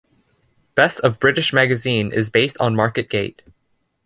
"Best of British" magazine is based on Market Gate.